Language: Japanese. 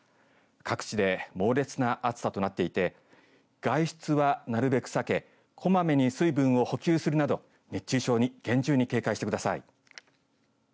各地で猛烈な暑さとなっていて外出は、なるべく避けこまめに水分を補給するなど熱中症に厳重に警戒してください。